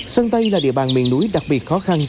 sơn tây là địa bàn miền núi đặc biệt khó khăn